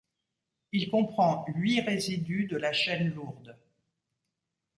Il comprend huit résidus de la chaîne lourde.